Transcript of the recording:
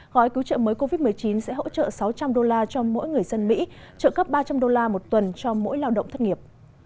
gói cứu trợ mới covid một mươi chín sẽ hỗ trợ sáu trăm linh đô la cho mỗi người dân mỹ trợ cấp ba trăm linh đô la một tuần cho mỗi lao động thất nghiệp